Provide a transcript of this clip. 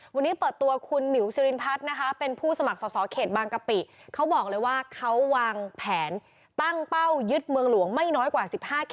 วันนี้เปิดตัวคุณหมิวซิรินพัฒน์นะคะเป็นผู้สมัครสอบเขตบางกะปิเขาบอกเลยว่าเขาวางแผนตั้งเป้ายึดเมืองหลวงไม่น้อยกว่า๑๕